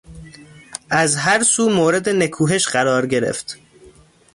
از هر سو مورد نکوهش قرار گرفت.